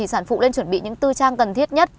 sản phụ lên chuẩn bị những tư trang cần thiết nhất